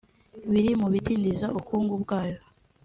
biri mu bidindiza ubukungu bwayo